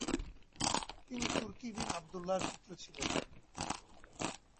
তিনি Turki bin আবদুল্লাহর পুত্র ছিলে।